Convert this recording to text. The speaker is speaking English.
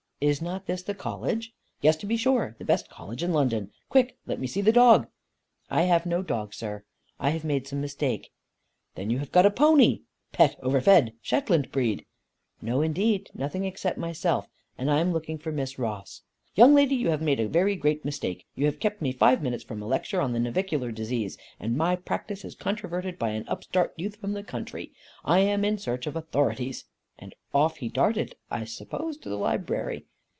"Is not this the College?" "Yes to be sure. The best College in London. Quick, let me see the dog." "I have no dog, sir. I have made some mistake." "Then you have got a pony. Pet over fed. Shetland breed." "No indeed. Nothing except myself; and I am looking for Miss Ross." "Young lady, you have made a very great mistake. You have kept me five minutes from a lecture on the navicular disease. And my practice is controverted by an upstart youth from the country. I am in search of authorities." And off he darted, I suppose to the library.